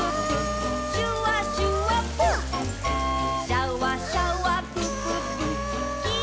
「シャワシャワプププ」ぷー。